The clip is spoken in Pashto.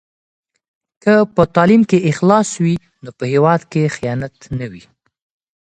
که په تعلیم کې اخلاص وي نو په هېواد کې خیانت نه وي.